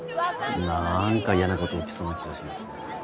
なんか嫌なこと起きそうな気がしますね。